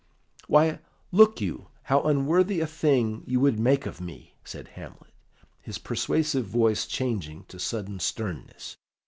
"Why, look you, how unworthy a thing you would make of me!" said Hamlet, his persuasive voice changing to sudden sternness.